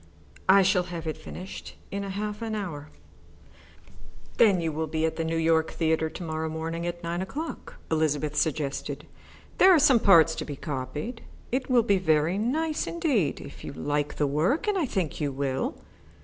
"I shall have it finished in half an hour." "Then will you be at the New York Theatre to morrow morning at nine o'clock," Elizabeth suggested. "There are some parts to be copied. It will be very nice indeed if you like the work, and I think you will."